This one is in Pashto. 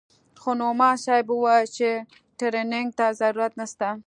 خو نعماني صاحب وويل چې ټرېننگ ته ضرورت نسته.